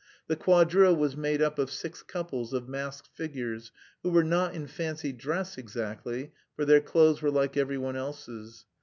The quadrille was made up of six couples of masked figures, who were not in fancy dress exactly, for their clothes were like every one else's.